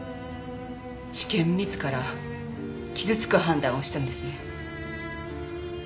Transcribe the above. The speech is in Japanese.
地検自ら傷つく判断をしたのですね。